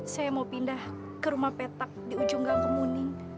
saya mau pindah ke rumah petak di ujung gang kemuning